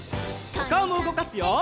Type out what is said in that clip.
おかおもうごかすよ！